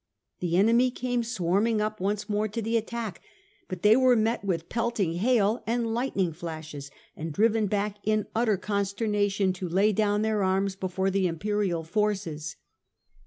The enemy came swarming up once more to the attack, but they were met with pelting hail and lightning flashes, and driven back in utter consternation to lay down their arms before the imperial forces.